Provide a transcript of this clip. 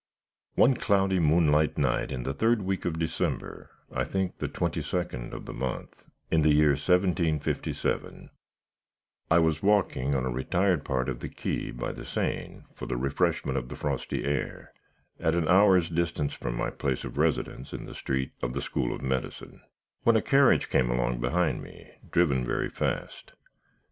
"One cloudy moonlight night in the third week of December (I think the twenty second of the month) in the year 1757, I was walking on a retired part of the quay by the Seine for the refreshment of the frosty air, at an hour's distance from my place of residence in the Street of the School of Medicine, when a carriage came along behind me, driven very fast.